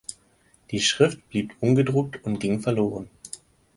Die Schrift blieb ungedruckt und ging verloren.